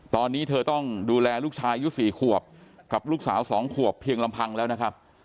ตอนนี้เธอต้องดูแลลูกชายอายุ๔ขวบกับลูกสาว๒ขวบเพียงลำพังแล้วนะครับ